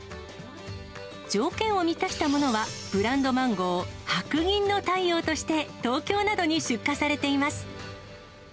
条件を満たしたものは、ブランドマンゴー、白銀の太陽として、東京などに出荷されています。